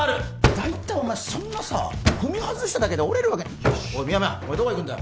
大体お前そんなさ踏み外しただけで折れるわけよしおい深山お前どこ行くんだよ